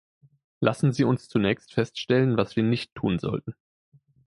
Lassen Sie uns zunächst feststellen, was wir nicht tun sollten.